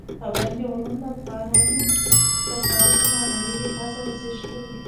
پابندي غرونه د افغانانو لپاره په معنوي لحاظ ارزښت لري.